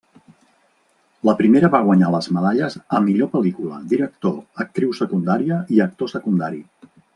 La primera va guanyar les medalles a millor pel·lícula, director, actriu secundària i actor secundari.